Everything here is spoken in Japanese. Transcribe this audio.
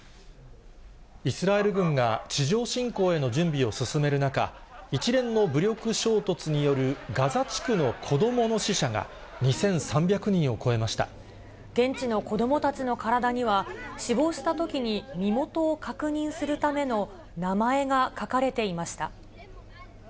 イスラエル軍が地上侵攻への準備を進める中、一連の武力衝突によるガザ地区の子どもの死者が、２３００人を超現地の子どもたちの体には、死亡したときに身元を確認するための名前が書かれていました。